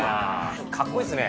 かっこいいですね。